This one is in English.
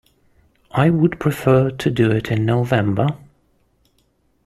I would prefer to do it in November.